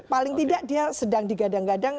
paling tidak dia sedang digadang gadang